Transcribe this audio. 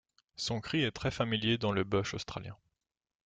Son cri est très familier dans le bush australien.